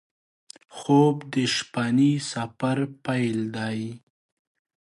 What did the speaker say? خوب د شپهني سفر پیل دی